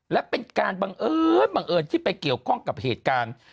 และเป็นการบังเอิญบังเอิญที่ไปเกี่ยวข้องกับเหตุการณ์